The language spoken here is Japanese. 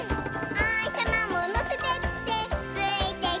「おひさまものせてってついてくるよ」